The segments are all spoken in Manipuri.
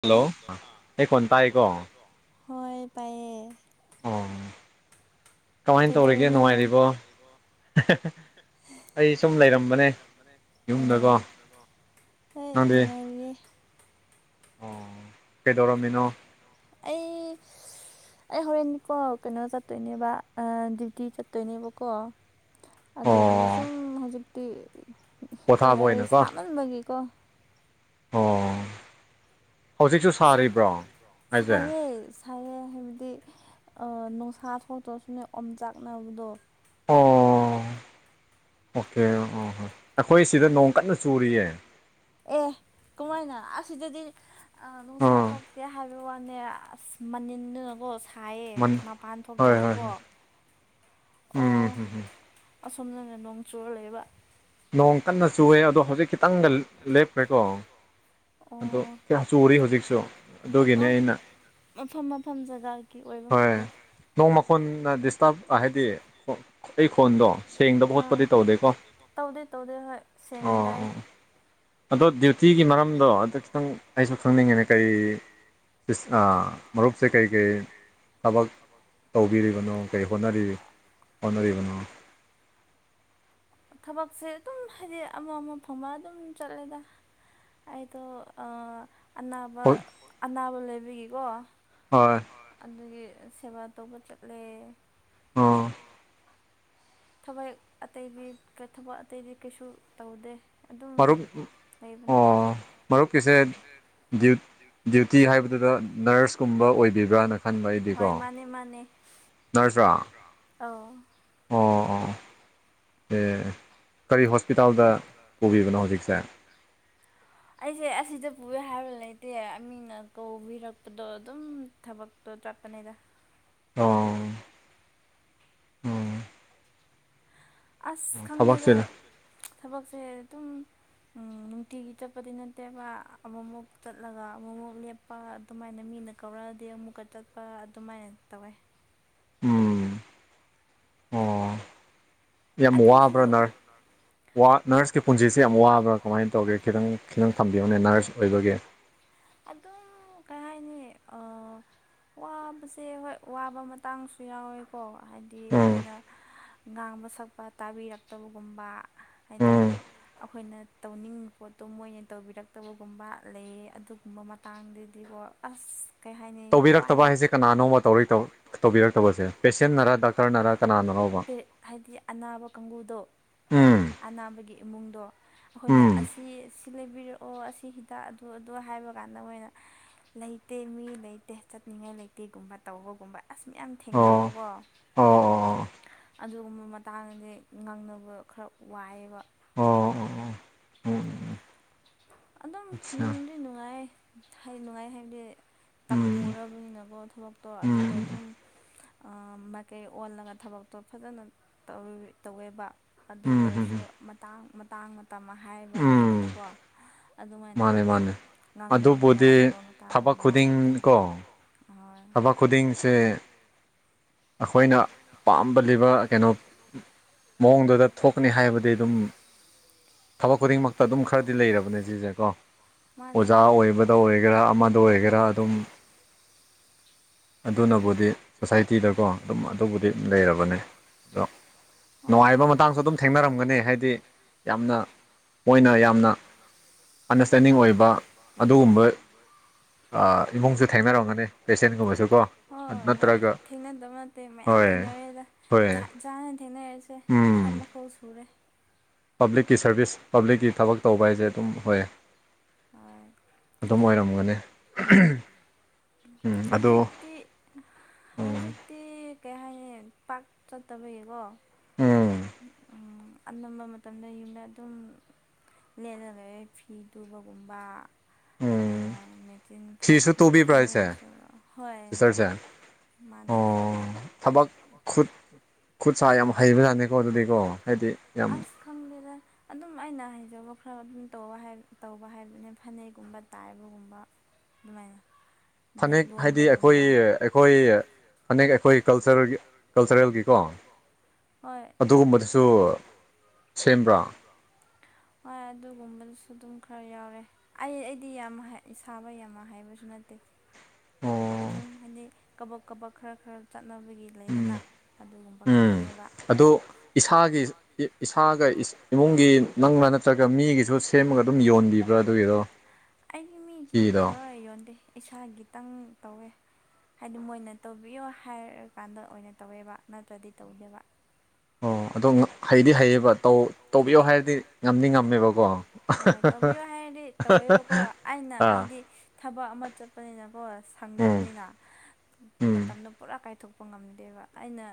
ꯍꯜꯂꯣ ꯑꯩ ꯐꯇꯥ ꯑꯩꯀꯣ ꯍꯣꯏ ꯄꯑꯦ ꯑꯣ ꯀꯃꯥꯏꯅ ꯇꯧꯔꯤꯒꯦ ꯅꯨꯡꯉꯥꯏꯔꯤꯕꯣ ꯑꯩ ꯁꯨꯝ ꯂꯩꯔꯝꯕꯅꯦ ꯌꯨꯝꯗꯀꯣ ꯍꯣꯏ ꯅꯨꯡꯉꯥꯏꯔꯤꯌꯦ ꯑꯣ ꯑꯩ ꯑꯩ ꯍꯣꯔꯦꯟꯅꯤꯀꯣ ꯀꯩꯅꯣ ꯆꯠꯇꯣꯏꯅꯦꯕ ꯗ꯭ꯌꯨꯇꯤ ꯆꯠꯇꯣꯏꯅꯦꯕꯀꯣ ꯑꯗꯨꯒꯤ ꯁꯨꯝ ꯍꯧꯖꯤꯛꯇꯤ ꯍꯤꯞꯄꯜ ꯂꯩ ꯁꯥꯃꯟꯕꯒꯤꯀꯣ ꯑꯣ ꯍꯧꯖꯤꯛꯁꯨ ꯁꯥꯔꯤꯕ꯭ꯔꯣ ꯍꯥꯏꯁꯦ ꯁꯥꯏꯌꯦ ꯍꯥꯏꯕꯗꯤ ꯅꯨꯡꯁꯥ ꯊꯣꯛꯇ꯭ꯔꯁꯨꯅꯦ ꯑꯣꯝ ꯆꯥꯛꯅꯕꯗꯣ ꯑꯣ ꯑꯣꯀꯦ ꯑꯣ ꯍꯣꯏ ꯑꯦ ꯀꯃꯥꯏꯅꯁ ꯁꯤꯗꯗꯤ ꯅꯨꯡꯁꯥ ꯇꯣꯛꯀꯦ ꯍꯥꯏꯔ ꯋꯥꯅꯦ ꯑꯁ ꯃꯅꯤꯀꯣ ꯍꯥꯏꯌꯦ ꯃꯄꯥꯟ ꯊꯣꯛꯇ꯭ꯔꯁꯨꯀꯣ ꯑꯣ ꯑꯁꯣꯝꯅꯅ ꯅꯣꯡ ꯆꯨꯔ ꯂꯩꯕ ꯅꯣꯡ ꯀꯟꯅ ꯆꯨꯋꯦ ꯑꯗꯣ ꯍꯧꯖꯤꯛ ꯈꯤꯇꯪꯒ ꯂꯦꯞꯈ꯭ꯔꯦꯀꯣ ꯑ ꯀꯌꯥ ꯆꯨꯔꯤ ꯍꯧꯖꯤꯛꯁꯨ ꯑꯗꯨꯒꯤꯅꯦ ꯑꯩꯅ ꯍꯣꯏ ꯅꯣꯡ ꯃꯈꯣꯟꯅ ꯗꯤꯁꯇꯔꯕ ꯍꯥꯏꯗꯤ ꯑꯩ ꯈꯣꯟꯗꯣ ꯁꯦꯡꯗꯕ ꯈꯣꯠꯄꯗꯤ ꯇꯧꯗꯦꯀꯣ ꯑꯥ ꯑꯣꯥ ꯑꯗꯣ ꯗ꯭ꯌꯨꯇꯤꯒꯤ ꯃꯔꯝꯗꯣ ꯑꯗ ꯈꯤꯇꯪ ꯑꯩꯁꯨ ꯈꯪꯅꯤꯡꯉꯤꯅ ꯀꯔꯤ ꯃꯔꯨꯞꯁꯦ ꯀꯩ ꯀꯩ ꯊꯕꯛ ꯇꯧꯕꯤꯔꯤꯕꯅꯣ ꯀꯩ ꯍꯣꯠꯅꯔꯤ ꯑꯣꯅꯔꯕꯅ ꯊꯕꯛꯁꯦ ꯑꯗꯨꯝ ꯍꯥꯏꯗꯤ ꯑꯃ ꯑꯃ ꯐ ꯑꯃ ꯑꯗꯨꯝ ꯆꯠꯂꯦꯗ ꯑꯩꯗꯣ ꯑꯅꯥꯕ ꯑꯅꯥꯕ ꯂꯩꯕꯤꯒꯀꯣ ꯍꯣꯏ ꯑꯗꯒꯤ ꯁꯦꯕꯥ ꯇꯧꯕ ꯆꯠꯂꯦ ꯑꯣ ꯊꯕꯛ ꯑꯇꯩꯗꯤ ꯊꯕꯛ ꯑꯇꯩꯗꯤ ꯀꯩꯁꯨ ꯇꯧꯗꯦ ꯃꯔꯨꯞ ꯑꯣ ꯃꯔꯨꯞꯀꯤꯁꯦ ꯗ꯭ꯌꯨꯇꯤ ꯍꯥꯏꯕꯗꯨꯗ ꯅꯔꯁꯀꯨꯝꯕ ꯑꯣꯏꯕꯤꯕ꯭ꯔꯥꯅ ꯈꯟꯕ ꯑꯩꯗꯤꯀꯣ ꯅꯔꯁ꯭ꯔꯥ ꯑꯥꯎ ꯑꯣ ꯑꯦ ꯑꯩꯁꯦ ꯑꯁꯤꯗ [unintelligible] ꯅ ꯗꯦ ꯃꯤꯅ ꯀꯧꯕꯤꯔꯛꯄꯗꯣ ꯑꯗꯨꯝ ꯊꯕꯛꯇꯣ ꯆꯠꯄꯅꯦꯗ ꯑꯣ ꯎꯝ ꯑꯁ ꯈꯪꯉꯗ ꯊꯕꯛ [unintelligible] ꯑ ꯅꯨꯡꯇꯤꯒꯤ ꯆꯠꯄꯗꯤ ꯅꯠꯇꯦꯕ ꯑꯃꯨꯃꯨꯛ ꯆꯠꯂꯒ ꯑꯃꯨꯃꯨꯛ ꯂꯦꯞꯄ ꯑꯗꯨꯃꯥꯏꯅ ꯃꯤꯅ ꯀꯧꯔꯛꯑꯗꯤ ꯗꯤ ꯑꯃꯨꯛꯀ ꯆꯠꯄ ꯑꯗꯨꯃꯥꯏꯅ ꯇꯧꯋꯦ꯫ ꯌꯥꯝ ꯋꯥꯕ꯭ꯔꯥ ꯅ ꯋꯥ ꯅꯔꯁꯀꯤ ꯄꯨꯟꯁꯤꯁ ꯌꯥꯝ ꯋꯥꯕ꯭ꯔꯥ ꯀꯃꯥꯏ ꯇꯧꯒꯦ ꯈꯤꯇꯪ ꯈꯤꯇꯪ ꯊꯝꯕꯤꯌꯨꯅꯦ ꯅꯔꯁ ꯑꯣꯏꯕꯒꯤ ꯫ ꯑꯗꯨꯝ ꯀꯩ ꯍꯥꯏ ꯅꯤ ꯑꯥ ꯋꯥꯕꯁꯦ ꯍꯣꯏ ꯋꯥꯕ ꯃꯇꯥꯡꯁꯨ ꯌꯥꯎꯋꯦꯀꯣ ꯍꯥꯏꯗꯤ ꯑꯩꯈꯣꯏꯅ ꯉꯥꯡꯕ ꯁꯛ ꯄ ꯇꯥꯕꯤꯔꯛꯇꯕꯒꯨꯝꯕ ꯍꯥꯏꯗꯤ ꯑꯩꯈꯣꯏꯅ ꯇꯧꯅꯤꯡꯕ ꯄꯣꯠꯇꯣ ꯃꯣꯏꯅ ꯇꯧꯕꯤ ꯔꯛꯇꯕꯒꯨꯝꯕ ꯂꯩꯌꯦ ꯑꯗꯨꯒꯨꯝꯕ ꯃꯇꯥꯡꯗꯗꯤꯕꯣ ꯑꯁ! ꯀꯩ ꯍꯥꯏꯅꯤ ꯋꯥꯏꯌꯦ [unintelligible] ꯍꯥꯏꯗꯤ ꯑꯅꯥꯕ ꯀꯥꯡꯒꯨꯗꯣ ꯑꯅꯥꯕꯒꯤ ꯏꯃꯨꯡꯗꯣ ꯑꯩꯈꯣꯏꯅ ꯑꯁꯤ ꯁꯤ ꯂꯩꯕꯤꯔꯛ ꯑꯣ ꯑꯁꯤ ꯍꯤꯗꯥꯛ ꯑꯗꯨ- ꯑꯗꯨ ꯍꯥꯏꯕ ꯀꯥꯟꯗ ꯃꯣꯏꯅ ꯂꯩꯇꯦ ꯃꯤ ꯂꯩꯇꯦ ꯆꯠꯅꯤꯡꯉꯥꯏ ꯂꯩ ꯒꯨꯝꯕ ꯇꯧꯕꯒꯨꯝꯕ ꯑꯁ ꯃꯌꯥꯝ ꯊꯦꯡꯅꯩꯌꯦꯕꯀꯣ ꯑꯗꯨꯒꯨꯝꯕ ꯃꯥ ꯇꯥꯡꯗꯤ ꯉꯥꯡꯅꯕ ꯈꯔ ꯋꯥꯏꯑꯦꯕ꯫ ꯑꯗꯨꯝ ꯅꯨꯡꯗꯤ- ꯅꯨꯡꯉꯥꯏ ꯍꯥꯏ ꯅꯨꯡꯉꯥꯏ ꯍꯥꯏꯕꯗꯤ ꯇꯝꯃꯨꯔꯕꯅꯤꯅꯀꯣ ꯊꯕꯛꯇꯣ ꯑꯗꯨꯗ ꯑꯗꯨꯝ ꯃꯥꯏꯀꯩ ꯑꯣꯜꯂꯒ ꯊꯕꯛꯇꯣ ꯐꯖꯅ ꯇꯧꯋꯦꯕ ꯑꯗꯨ ꯑꯣꯏꯔꯁꯨ ꯃꯇꯥꯡ- ꯃꯇꯥꯡ ꯃꯇꯝ ꯍꯥꯏꯕ ꯂꯩꯗꯅꯀꯣ ꯑꯗꯨꯃꯥꯏꯅ ꯉꯥꯡꯅꯕ ꯌꯥꯗꯕ ꯃꯇꯥꯡꯒꯨꯝꯕ ꯇꯧꯋꯦ ꯫ ꯑꯩꯈꯣꯏꯅ ꯄꯥꯝꯕ ꯂꯤꯕ ꯀꯩꯅꯣ ꯃꯑꯣꯡꯗꯨꯗ ꯊꯣꯛꯀꯅꯤ ꯍꯥꯏꯕꯗꯤ ꯑꯗꯨꯝ ꯊꯕꯛ ꯈꯨꯗꯤꯡꯃꯛꯇ ꯑꯗꯨꯝ ꯈꯔꯗꯤ ꯂꯩꯔꯕꯅꯦ ꯁꯤꯁꯦ ꯀꯣ꯫ ꯑꯣꯖꯥ ꯑꯣꯏꯕꯗ ꯑꯣꯏꯒꯦꯔꯥ ꯑꯃꯗ ꯑꯣꯏꯒꯦꯔꯥ ꯑꯗꯨꯝ ꯑꯗꯨꯅꯕꯨꯗꯤ ꯁꯣꯁꯥꯏꯇꯤꯗꯀꯣ ꯑꯗꯨꯝ ꯑꯗꯨꯕꯨꯗꯤ ꯂꯩꯔꯕꯅꯦ ꯑꯗꯣ ꯅꯨꯡꯉꯥꯏꯕ ꯃꯇꯥꯡꯁꯨ ꯑꯗꯨꯝ ꯊꯦꯡꯅꯔꯝꯒꯅꯤ ꯍꯥꯏꯗꯤ ꯌꯥꯝꯅ ꯃꯣꯏꯅ ꯌꯥꯝꯅ ꯑꯟꯗꯔꯁꯇꯦꯟꯗꯤꯡ ꯑꯣꯏꯕ ꯑꯗꯨꯒꯨꯝꯕ ꯏꯃꯨꯡꯁꯨ ꯊꯦꯡꯅꯔꯝꯒꯅꯤ꯫ ꯄꯦꯁꯦꯟ ꯒꯨꯝꯕꯁꯨ ꯀꯣ ꯍꯣꯏ - ꯍꯣꯏ ꯊꯦꯡꯅꯗꯕ ꯅꯠꯇꯦ ꯃꯌꯥꯝ ꯊꯦꯡꯅꯔꯦꯗ ꯖꯥꯠ - ꯖꯥꯠ ꯅꯦ ꯊꯦꯡꯅꯔꯤꯁꯦ꯫ ꯃꯈꯜ- ꯃꯈꯜ ꯁꯨꯔꯦ꯫ ꯄꯕ꯭ꯂꯤꯛꯀꯤ ꯁꯥꯔꯚꯤꯁ ꯄꯕ꯭ꯂꯤꯛꯀꯤ ꯊꯕꯛ ꯇꯧꯕ ꯍꯥꯏꯁꯦ ꯑꯗꯨꯝ ꯍꯣꯏ ꯑꯗꯨꯝ ꯑꯣꯏꯔꯝꯒꯅꯤ ꯍꯧꯖꯤꯛꯇꯤ ꯍꯧꯖꯤꯛꯇꯤ ꯀꯩ ꯍꯥꯏꯅꯤ ꯄꯥꯛ ꯆꯠꯇꯕꯒꯤꯀꯣ ꯑꯅꯝꯕ ꯃꯇꯝꯗ ꯌꯨꯝꯗ ꯑꯗꯨꯝ ꯂꯦꯜ ꯂ ꯂꯩꯌꯦ ꯐꯤ ꯇꯨꯕꯒꯨꯝꯕ ꯎꯝ ꯇꯤꯟ ꯊ ꯐꯅꯦꯛꯁꯨ ꯆꯁꯔꯁꯦ ꯑꯣ ꯊꯕꯛ ꯈꯨꯠ ꯈꯨꯠ ꯁꯥ ꯌꯥꯝ ꯍꯩꯕ ꯌꯥꯥꯅꯤꯀꯣ ꯑꯗꯨꯗꯤꯀꯣ ꯍꯥꯏꯗꯤ ꯌꯥꯝ ꯑꯗꯨꯝ ꯑꯩꯅ ꯍꯩꯖꯕ ꯈꯔ ꯑꯗꯨꯝ ꯇꯧꯕ ꯍꯥꯏ ꯇꯧꯕ ꯍꯥꯏꯕꯗꯨꯅꯦ ꯐꯅꯦꯛꯒꯨꯝꯕ ꯇꯥꯏꯕꯒꯨꯝꯕ ꯃꯥꯏ ꯐꯅꯦꯛ ꯍꯥꯏꯗꯤ ꯑꯩꯈꯣꯏ ꯑꯩꯈꯣꯏ ꯐꯅꯦꯛ ꯑꯩꯈꯣꯏ ꯀꯜꯆꯔꯒꯤ ꯀꯜꯆꯔꯦꯜꯒꯤꯀꯣ ꯑꯗꯨꯒꯨꯝꯕꯗꯨꯁꯨ ꯁꯦꯝꯕ꯭ꯔꯥ? ꯁꯨ ꯑꯗꯨꯝ ꯈꯔ ꯌꯥꯎꯔꯦ ꯑꯩ ꯑꯩꯗꯤ ꯌꯥꯝ ꯁꯥꯕ ꯌꯥꯝ ꯍꯩꯕꯁꯨ ꯅꯠꯇꯦ꯫ ꯑꯗꯨꯝ ꯍꯥꯏꯗꯤ ꯀꯕꯛ- ꯀꯕꯛ ꯈꯔ - ꯈꯔ ꯆꯠꯅꯕꯒꯤ ꯂꯩꯗꯅ꯫ ꯎꯝ ꯑꯗꯨ ꯏꯁꯥꯒꯤ ꯏꯁꯥꯒ ꯏꯃꯨꯡꯒꯤ ꯅꯪ ꯅꯠꯇ꯭ꯔꯒ ꯃꯤꯒꯤꯁꯨ ꯁꯦꯝꯃꯒ ꯑꯗꯨꯝ ꯌꯣꯟꯕꯤꯕ꯭ꯔꯥ ꯑꯗꯨꯒꯤ ꯗꯣ? ꯑꯩꯒꯤ ꯃꯤꯒꯤ ꯇꯧꯔ ꯌꯣꯟꯗꯦ ꯏꯁꯥꯒꯤ ꯇꯧꯋꯦ ꯍꯥꯏꯗꯤ ꯃꯣꯏꯅ ꯇꯧꯕꯤꯌꯣ ꯍꯥꯏꯔꯀꯥꯟꯗ ꯑꯣꯏꯅ ꯇꯧꯋꯦꯕ ꯅꯠꯇ꯭ꯔꯗꯤ ꯇꯧꯗꯦꯕ ꯑꯣ ꯑꯗꯣ ꯍꯩꯗꯤ ꯍꯩꯌꯦꯕ ꯇꯧꯕꯤꯌꯣ ꯍꯥꯏꯔꯗꯤ ꯉꯝꯗꯤ ꯉꯝꯃꯦꯕꯀꯣ ꯇꯧꯕꯤꯌꯣ ꯍꯥꯏꯔꯗꯤ ꯇꯧꯋꯦꯕꯀꯣ ꯑꯩꯅ ꯍꯥꯏꯗꯤ ꯊꯕꯛ ꯑꯃ ꯆꯠꯄꯅꯤꯅꯀꯣ ꯁꯪꯗꯕꯅꯤꯅ ꯃꯇꯝꯗꯣ ꯄꯨꯔꯥ ꯀꯥꯏꯊꯣꯛꯄ [unintelligible] ꯑꯩꯅ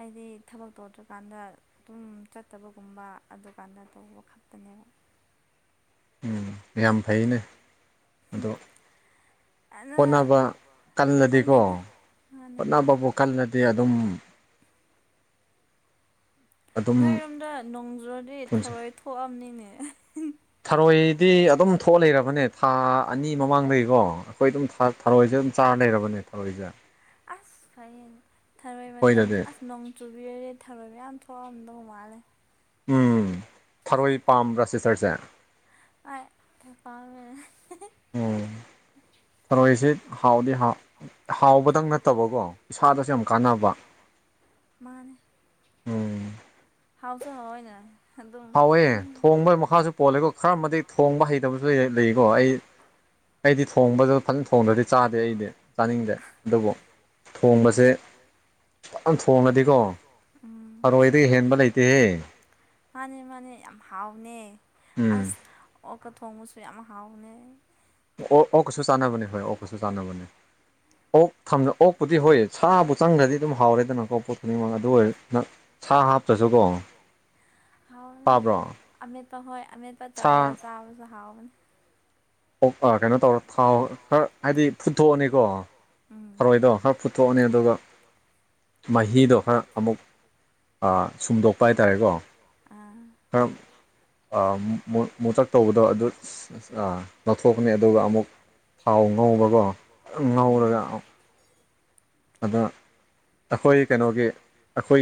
ꯑꯩꯗꯤ ꯊꯕꯛ ꯇꯧꯗ꯭ꯔꯀꯥꯟꯗ ꯑꯗꯨꯝ ꯆꯠꯇꯕꯒꯨꯝꯕ ꯑꯗꯨꯀꯥꯟꯗ ꯇꯧꯕ ꯈꯛꯇꯅꯦꯕ ꯎꯝ ꯌꯥꯝ ꯐꯩꯅꯦ ꯑꯗꯣ ꯍꯣꯠꯅꯕ ꯀꯜꯂꯗꯤꯀꯣ ꯍꯣꯠꯅꯕꯕꯨ ꯈꯜꯅꯗꯤ ꯑꯗꯨꯝ ꯅꯣꯏꯔꯣꯝꯗ ꯅꯣꯡꯖꯨꯔꯗꯤ ꯊꯧꯔꯣꯏ ꯊꯣꯛꯑꯕꯅꯤꯅꯦ ꯊꯔꯣꯏꯗꯤ ꯑꯗꯨꯝ ꯊꯣꯛꯑ ꯂꯩꯔꯕꯅꯦ ꯊꯥ ꯑꯅꯤ ꯃꯃꯥꯡꯗꯒꯤꯀꯣ ꯑꯩꯈꯣꯏ ꯑꯗꯨꯝ ꯊꯔꯣꯏꯁꯦ ꯑꯗꯨꯝ ꯆꯥꯔ ꯂꯩꯔꯕꯅꯦ ꯊꯑꯣꯏꯁꯦ ꯑꯁ ꯐꯩꯌꯦ ꯊꯔꯣꯏ ꯃꯇꯝ ꯑꯁ ꯅꯣꯡ ꯆꯨꯕꯤꯔꯔꯦ ꯊꯔꯣꯏ ꯃꯌꯥꯝ ꯊꯣꯑꯝꯗꯧ ꯃꯥꯜꯂꯦ ꯎꯝ ꯊꯥꯔꯣꯏ ꯄꯥꯝꯕ꯭ꯔꯥ ꯁꯤꯁꯇꯔꯁꯦ ꯑ ꯄꯥꯝ [unintelligible] ꯊꯔꯣꯏꯁꯤ ꯍꯥꯎꯗꯤ ꯍꯥꯎꯕꯗꯪ ꯅꯠꯇꯕꯀꯣ ꯏꯁꯥꯗꯁꯨ ꯌꯥꯝ ꯀꯥꯟꯅꯕ ꯃꯥꯅꯦ ꯍꯥꯎꯁꯨ ꯍꯅ ꯍꯥꯎꯋꯦ ꯊꯣꯡꯕꯒꯤ ꯃꯈꯥꯁꯨ ꯄꯣꯜꯂꯦꯀꯣ ꯈꯔ ꯑꯃꯗꯤ ꯊꯣꯡꯕ ꯍꯩꯇꯕꯁꯨ ꯂꯩꯀꯣ ꯑꯩ ꯑꯩꯗꯤ ꯊꯣꯡꯕꯗ ꯐꯖꯅ ꯊꯣꯡꯗ꯭ꯔꯗꯤ ꯆꯥꯗꯦ ꯑꯩꯗꯤ ꯆꯥꯅꯤꯡꯗꯦ ꯑꯗꯨꯕꯨ ꯊꯣꯡꯁ ꯎꯆꯦ ꯐꯅ ꯊꯣꯡꯂꯗꯤꯀꯣ ꯐꯔꯣꯏꯗꯒꯤ ꯍꯦꯟꯕ ꯂꯩꯇꯦꯍꯦ ꯌꯥꯝ ꯍꯥꯎꯅꯦ ꯑꯁ ꯑꯣꯛꯀ ꯊꯣꯡꯕꯁꯨ ꯌꯥꯝ ꯍꯥꯎꯅꯦ ꯑꯣ ꯑꯣ ꯀꯩꯁꯨ ꯆꯥꯟꯅꯕꯅꯦ ꯍꯣꯏ ꯑꯣ ꯀꯩꯁꯨ ꯆꯥꯟꯅꯕꯅꯦ ꯑꯣꯛ ꯊꯝ ꯑꯣꯛꯄꯨꯗꯤ ꯍꯣꯏꯌꯦ ꯁꯥꯕꯨ ꯆꯪꯗ꯭ꯔꯗꯤ ꯑꯗꯨꯝ ꯍꯥꯎꯔꯦꯗꯅꯀꯣ ꯄꯣꯠ ꯈꯨꯗꯤꯡꯃꯛ ꯑꯗꯨ ꯑꯣꯏꯔ ꯁꯥ ꯍꯥꯥꯞ ꯍꯥꯎꯅꯦ ꯑꯃꯦꯠꯄ ꯍꯣꯏ ꯑꯃꯦꯠꯄ ꯇꯧꯔꯒ ꯆꯥꯎꯥ ꯆ ꯊꯥꯎꯟ ꯑꯥ ꯀꯩꯅꯣ ꯇꯧꯔ ꯊꯥꯎ ꯈꯔ ꯍꯥꯏꯗꯤ ꯐꯨꯠꯇꯣꯛꯑꯅꯤꯀꯣ ꯐꯔꯣꯏꯗꯣ ꯍꯥꯔ ꯐꯨꯠꯇꯣꯛꯑꯅꯤ ꯑꯗꯨꯒ ꯃꯍꯤꯗꯣ ꯈꯔ ꯑꯃꯨꯛ ꯁꯨꯝꯗꯣꯛꯄ ꯍꯥꯏꯇꯥꯔꯦꯀꯣ ꯃꯨꯊꯛ ꯇꯧꯕꯗꯣ ꯑꯗꯨ ꯂꯧꯊꯣꯛꯀꯅꯤ ꯑꯗꯨꯒ ꯑꯃꯨꯛ ꯊꯥꯎ ꯉꯧꯕꯒꯣ ꯉꯧꯔꯒ ꯑ ꯑꯗ ꯑꯩꯈꯣꯏ ꯀꯩꯅꯣꯒꯤ ꯑꯩꯈꯣꯏ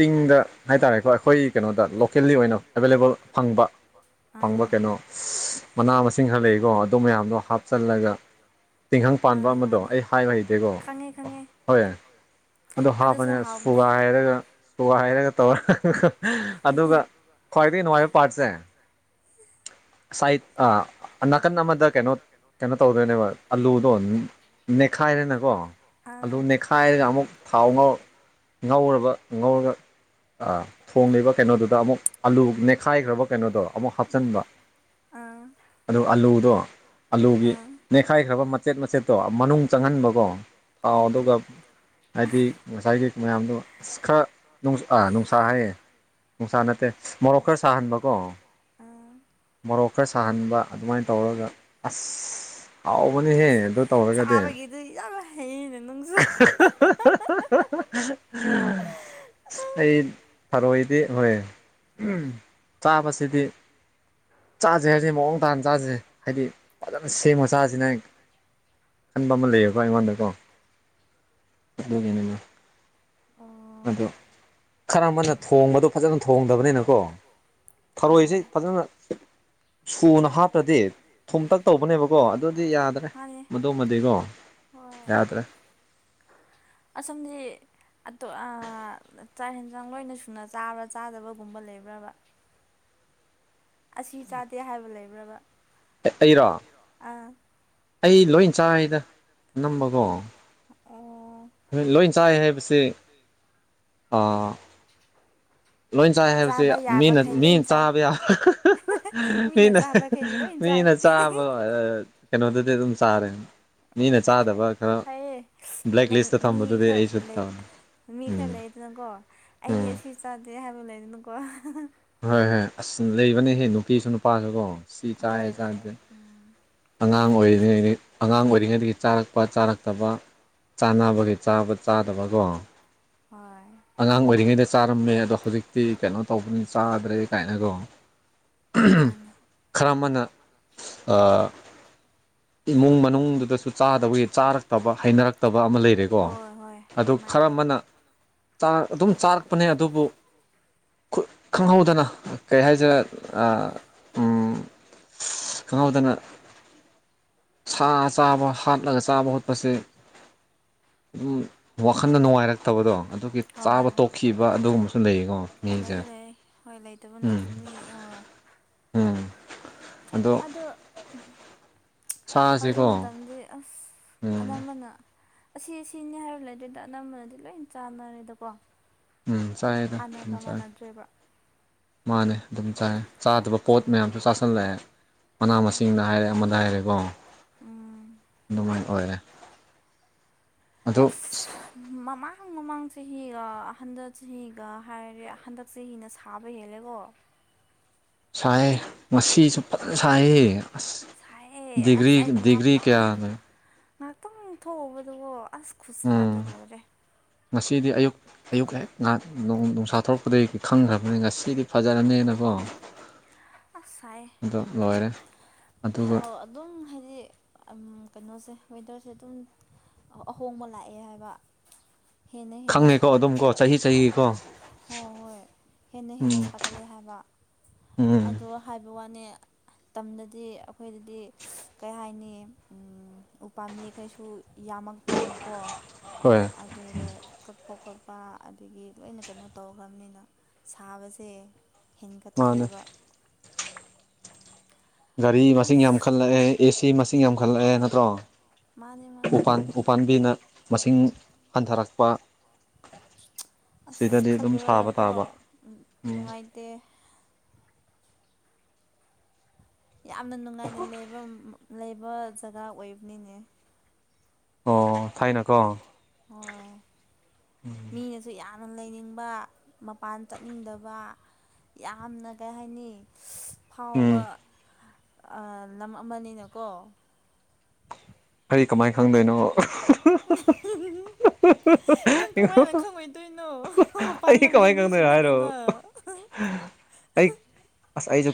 ꯆꯤꯡꯗ ꯍꯥꯏꯇꯥꯔꯦꯀꯣ ꯑꯩꯈꯣꯏ ꯀꯩꯅꯣꯗ ꯂꯣꯀꯦꯜꯂꯤ ꯑꯣꯏꯅ ꯑꯦꯕꯥꯏꯂꯦꯕꯜ ꯐꯪꯕ ꯐꯪꯕ ꯀꯩꯅꯣ ꯃꯅꯥ ꯃꯁꯤꯡ ꯈꯔ ꯂꯩꯀꯣ ꯑꯗꯨ ꯃꯌꯥꯝꯗꯣ ꯍꯥꯞꯆꯤꯜꯂꯒ ꯇꯤꯡꯍꯪ ꯄꯥꯟꯕ ꯑꯃꯗꯣ ꯑꯩ ꯍꯥꯏꯕ ꯍꯩꯗꯦꯀꯣ ꯍꯣꯏ ꯌꯥ ꯑꯗꯨ ꯍꯥꯞꯄꯅꯦ ꯁꯨꯒꯥ ꯍꯥꯏꯔꯒ ꯁꯨꯒꯥ ꯍꯥꯏꯔꯒ ꯇꯧꯔ ꯑꯗꯨꯒ ꯈ꯭ꯋꯥꯏꯗꯒꯤ ꯅꯨꯡꯉꯥꯏꯕ ꯄꯥꯔꯠꯁꯦ ꯁꯥꯏ ꯑ ꯅꯥꯀꯟ ꯑꯃꯗ ꯀꯩꯅꯣ ꯀꯩꯅꯣ ꯇꯧꯗꯣꯏꯅꯦꯕ ꯑꯂꯨꯗꯣ ꯅꯦꯛꯈꯥꯏꯔꯦꯅꯀꯣ ꯑꯗꯨ ꯅꯦꯛꯠꯈꯥꯏꯔꯒ ꯑꯃꯨꯛ ꯊꯥꯎ ꯉ ꯉꯧꯔꯕ ꯉꯧꯔꯒ ꯊꯣꯡꯂꯤꯕ ꯀꯩꯅꯣꯗꯨꯗ ꯑꯃꯨꯛ ꯑꯂꯨ ꯅꯦꯠꯈꯥꯏꯈ꯭ꯔꯕ ꯀꯩꯅꯣꯗꯣ ꯑꯃꯨꯛ ꯍꯥꯞꯆꯤꯟꯕ ꯑ ꯑꯥꯜꯂꯨꯗꯣ ꯑꯂꯨꯒꯤ ꯅꯦꯛꯈꯥꯏꯈ꯭ꯔꯕ ꯃꯆꯦꯠ ꯃꯆꯦꯠꯇꯣ ꯃꯅꯨꯡ ꯆꯪꯍꯟꯕꯀꯣ ꯊꯥꯎ ꯑꯗꯨꯒ ꯍꯥꯏꯗꯤ ꯉꯁꯥꯏꯒꯤ ꯃꯌꯥꯝꯗꯣ ꯑꯁ ꯈꯔꯥ ꯅꯨꯡꯁꯥ ꯍꯥꯏꯌꯦ ꯅꯨꯡꯁꯥ ꯅꯠꯇꯦ ꯃꯣꯔꯣꯛ ꯈꯔ ꯁꯥꯍꯟꯕꯀꯣ ꯃꯣꯔꯣꯛ ꯈꯔ ꯁꯥꯍꯟꯕ ꯑꯗꯨꯃꯥꯏꯅ ꯇꯧꯔꯒ ꯑꯁ ꯍꯥꯎꯕꯅꯦꯍꯦ ꯑꯗꯨ ꯇꯧꯔꯒꯗꯤ ꯌꯥ ꯍꯦ [unintelligible] ꯑꯩ ꯐꯔꯣꯏꯗꯤ ꯍꯣꯏ ꯎꯝ ꯆꯥꯕꯁꯤꯗꯤ ꯆꯥꯁꯦ ꯍꯥꯏꯁꯦ ꯃꯑꯣꯡ ꯇꯥꯅ ꯆꯥꯁꯦ ꯍꯥꯏꯗꯤ ꯐꯖꯅ ꯁꯦꯝꯃ ꯆꯥꯁꯤꯅ ꯈꯟꯕ ꯑꯃ ꯂꯩꯌꯦꯕ ꯑꯩꯉꯣꯟꯗꯀꯣ ꯑꯗꯨ ꯌꯦꯅꯣ ꯑꯨ ꯈꯔ ꯑꯃꯅ ꯊꯣꯡꯕꯗꯣ ꯐꯖꯅ ꯊꯣꯡꯗꯕꯅꯤꯅꯀꯣ ꯊꯔꯣꯏꯁꯤ ꯐꯖꯅ ꯁꯨꯅ ꯍꯥꯞꯄꯗꯤ ꯊꯨꯝꯇꯛ ꯇꯧꯕꯅꯦꯕꯀꯣ ꯑꯗꯨꯗꯤ ꯌꯥꯗ꯭ꯔꯦ ꯃꯗꯨꯃꯗꯤꯀꯣ ꯌꯥꯗ꯭ꯔꯦ ꯑꯁꯣꯝꯗꯤ ꯆꯥꯛ ꯌꯦꯟꯁꯥꯡ ꯂꯣꯏꯅ ꯁꯨꯅ ꯆꯥꯕ꯭ꯔꯥ ꯆꯥꯗꯕꯒꯨꯝꯕ ꯂꯩꯕ꯭ꯔꯕ [inaudible] ꯑꯁꯤ ꯆꯥꯗꯦ ꯍꯥꯏꯕ ꯂꯩꯕ꯭ꯔꯕ ꯑꯩꯔꯦ ꯑꯩ ꯂꯣꯏ ꯆꯥꯏꯔꯤꯗ ꯑꯅꯝꯕꯀꯣ ꯂꯣꯏ ꯆꯥꯏ ꯍꯥꯏꯕꯁꯦ ꯑꯥ ꯂꯣꯏ ꯆꯥꯏ ꯍꯥꯏꯕꯁꯦ ꯃꯤꯅ ꯃꯤꯅ ꯆꯥꯕ ꯌꯥ ꯃꯤꯅ ꯃꯤꯅ ꯆꯥꯕ ꯀꯩꯅꯣꯗꯨꯗꯤ ꯑꯗꯨꯝ ꯆꯥꯔꯦ ꯑꯣ ꯐꯩꯑꯦ ꯅ ꯃꯤ ꯈꯔ ꯂꯩ ꯃꯤ ꯈꯔ ꯂꯩꯗꯅꯀꯣ ꯑꯩꯗꯤ ꯁꯤ ꯆꯥꯗꯦ ꯍꯥꯏꯕ ꯂꯩꯗꯅꯀꯣ ꯍꯣꯏ ꯍꯣꯏ ꯑꯁ ꯂꯩꯔꯤꯕꯅꯦꯍꯦ ꯅꯨꯄꯤꯁꯨ ꯅꯨꯄꯥꯁꯨ ꯀꯣ ꯆ ꯑꯦ ꯍ [unintelligible] ꯑꯉꯥꯡ ꯑꯣꯏꯔꯤꯉꯩ ꯑꯉꯥꯡ ꯑꯣꯏꯔꯤꯉꯩꯗꯒꯤ ꯆꯥꯔꯛꯄ ꯆꯥꯔꯛꯇꯕ ꯆꯥꯅꯕꯒꯤ ꯆꯥꯕ ꯆꯥꯗꯕꯒꯣ ꯑꯉꯥꯡ ꯑꯣꯏꯔꯤꯉꯩꯗ ꯆꯥꯔꯝꯃꯦ ꯑꯗꯣ ꯍꯧꯖꯤꯛꯇꯤ ꯀꯩꯅꯣ ꯇꯧꯕꯅꯤ ꯆꯥꯗ꯭ꯔꯦ ꯀꯥꯏꯅꯒꯣ ꯈꯔ ꯑꯃꯅ ꯏꯃꯨꯡ ꯃꯅꯨꯡꯗꯨꯗꯁꯨ ꯆꯥꯗꯕꯒꯤ ꯆꯥꯔꯛꯇꯕ ꯍꯩꯅꯔꯛꯇꯕ ꯑꯃ ꯂꯩꯔꯦꯀꯣ ꯑꯗꯨ ꯈꯔ ꯑꯃꯅ ꯑꯗꯨꯝ ꯆꯥꯔꯛꯄꯅꯦ ꯑꯗꯨꯕꯨ ꯈꯪꯍꯧꯗꯅ ꯀꯩ ꯍꯥꯏꯁꯤꯔꯦ ꯈꯪꯍꯧꯗꯅ ꯁꯥ ꯆꯥꯕ ꯍꯥꯠꯂꯒ ꯆꯥꯕ ꯈꯣꯠꯄꯁꯦ ꯎꯝ ꯋꯥꯈꯜꯗ ꯅꯨꯡꯉꯥꯏꯔꯛꯇꯕꯗꯣ ꯑꯗꯨꯒꯤ ꯆꯥꯕ ꯇꯣꯛꯈꯤꯕ ꯑꯗꯨꯒꯨꯝꯕꯁꯨ ꯂꯩꯌꯦꯀꯣ ꯃꯤꯁꯦ ꯍꯣꯏ ꯂꯩꯇꯕ ꯅꯠꯇꯦ ꯃꯤ ꯑ ꯎꯝ ꯑꯗꯣ ꯍꯧꯖꯤꯛ ꯃꯇꯝꯗꯤ ꯑꯁ ꯑꯅꯝꯕꯅ ꯑꯁꯤ ꯁꯤꯅꯤ ꯍꯥꯏꯔ ꯂꯩ ꯑꯗꯨꯏꯗ ꯑꯅꯝꯕꯅꯗꯤ ꯂꯣꯏ ꯆꯥꯟꯅꯔꯦꯗꯀꯣ ꯎꯝ ꯆꯥꯏꯑꯦꯗ ꯎꯝ ꯆꯥꯢ ꯃꯥꯅꯦ ꯑꯗꯨꯝ ꯆꯥꯏ ꯆꯥꯗꯕ ꯄꯣꯠ ꯃꯌꯥꯝꯁꯨ ꯆꯥꯥꯁꯜꯂꯦ ꯃꯅꯥ ꯃꯁꯤꯡꯗ ꯍꯥꯏꯔꯦ ꯑꯃꯗ ꯍꯥꯏꯔꯦꯀꯣ ꯑꯗꯨꯃꯥꯏꯅ ꯑꯣꯏꯔꯦ ꯑꯁ ꯃꯃ ꯃꯃꯥꯡ ꯆꯍꯤꯒ ꯍꯟꯗ ꯆꯍꯤꯒ ꯍꯥꯏꯔꯦ ꯍꯟꯗꯛ ꯆꯍꯤꯅ ꯁꯥꯕ ꯍꯦꯜꯂꯦꯀꯣ ꯁ ꯉꯁꯨ ꯐꯖ ꯁꯥꯏ ꯑꯁ ꯗꯤꯒ꯭ꯔꯤ ꯗꯤꯒ꯭ꯔꯤ ꯀꯌꯥꯅꯣ ꯉꯥꯏꯍꯥꯛꯇꯪ ꯊꯣꯛꯎꯕꯗꯨꯒꯣ ꯎꯝ ꯉꯁꯤꯗꯤ ꯑꯌꯨꯛ ꯑꯌꯨꯛ ꯍꯦꯛ ꯉꯥꯏꯍꯥꯛ ꯅꯨꯡꯁꯥ ꯊꯣꯛꯣꯔꯛꯄꯗꯒꯤ ꯈꯪꯈ꯭ꯔꯕꯅꯤ ꯉꯁꯤꯗꯤ ꯐꯖꯔꯅꯦꯅꯀꯣ ꯑꯣ ꯂꯣꯏꯔꯦ ꯑ ꯑꯗꯨꯝ ꯍꯥꯏꯗꯤ ꯀꯩꯅꯣꯁꯦ ꯋꯦꯗꯔꯁꯦ ꯑꯗꯨꯝ ꯑꯍꯣꯡꯕ ꯂꯥꯛꯑꯦ ꯍꯥꯏꯕ ꯈꯪꯉꯦꯀꯣ ꯑꯗꯨꯝ ꯀꯣ ꯆꯍꯤ ꯆꯍꯤꯒꯤꯀꯣ ꯍꯣꯏ ꯍꯣꯏ ꯍꯦꯟꯅ ꯍꯦꯟꯅ ꯁꯥꯒꯠꯂꯦ ꯍꯥꯏꯕ ꯑꯗꯣ ꯍꯥꯏꯕ ꯋꯥꯅꯦ ꯇꯝꯗꯗꯤ ꯑꯩꯈꯣꯏꯗꯗꯤ ꯀꯩ ꯍꯥꯏꯅꯤ ꯎꯄꯥꯝꯕꯤ ꯀꯩꯁꯨ ꯌꯥꯝꯃꯛꯇ꯭ꯔꯦꯅꯀꯣ ꯑꯗꯨꯒ ꯈꯣꯠꯄ ꯈꯣꯠꯄ ꯑꯗꯨꯗꯒꯤ ꯂꯣꯏꯅ ꯀꯩꯅꯣ ꯇꯧꯈ꯭ꯔꯕꯅꯤꯅ ꯁꯥꯕꯁꯦ ꯍꯦꯟꯒꯠꯈ꯭ꯔꯦꯕ ꯒꯥꯔꯤ ꯃꯁꯤꯡ ꯌꯥꯝꯈꯠꯂꯛꯑꯦ ꯑꯦ ꯁꯤ ꯃꯁꯤꯡ ꯌꯥꯝꯈꯠꯂꯛꯑꯦ ꯅꯠꯇ꯭ꯔꯣ ꯎꯄꯥꯥꯟ ꯎꯄꯥꯥꯟꯝꯕꯤꯅ ꯃꯁꯤꯡ ꯍꯟꯊꯔꯛꯄ ꯑꯁ ꯈꯜꯂꯨꯔꯒꯀꯣ ꯅꯨꯡꯉꯥꯏꯇꯦ ꯌꯥꯝꯅ ꯅꯨꯡꯉꯥꯏꯅ ꯂꯩꯕ ꯂꯩꯕ ꯖꯒꯥ ꯑꯣꯏꯕꯅꯤꯅꯦ ꯑꯣ ꯊꯥꯏꯅꯀꯣ ꯍꯣꯏ ꯃꯤꯅꯁꯨ ꯌꯥꯝ ꯂꯩꯅꯤꯡꯕ ꯃꯄꯥꯟ ꯆꯠꯅꯤꯡꯗꯕ ꯌꯥꯝꯅ ꯀꯩ ꯍꯥꯏꯅꯤ ꯐꯥꯎꯕ ꯂꯝ ꯑꯃꯅꯤꯅꯀꯣ ꯀꯔꯤ ꯀꯃꯥꯏꯅ ꯈꯪꯗꯣꯏꯅꯣ ꯍ ꯉ ꯑꯩ ꯀꯃꯥꯏ ꯈꯪꯗꯣꯏꯅꯣ ꯍꯥꯏꯔꯣ ꯑꯩ ꯑꯁ ꯑ